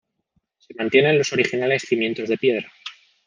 Se mantienen los originales cimientos de piedra.